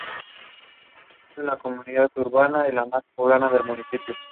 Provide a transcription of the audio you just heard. Las medidas económicas del gobierno de Viola se mostraron igualmente ineficientes.